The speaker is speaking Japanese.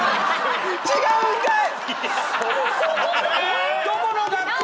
違うんかい！